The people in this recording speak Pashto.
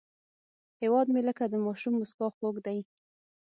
هیواد مې لکه د ماشوم موسکا خوږ دی